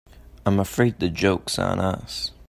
I'm afraid the joke's on us.